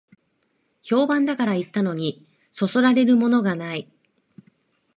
評判だから行ったのに、そそられるものがない